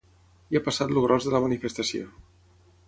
Ja ha passat el gros de la manifestació.